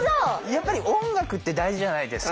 やっぱり音楽って大事じゃないですか。